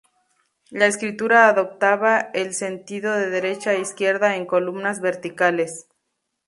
La escritura adoptaba el sentido de derecha a izquierda en columnas verticales.